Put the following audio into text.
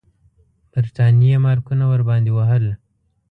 برټانیې مارکونه ورباندې وهل.